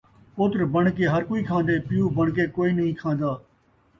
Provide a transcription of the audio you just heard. پتر بݨ کے ہر کئی کھاندے، پیو بݨ کے کئی نئیں کھاندا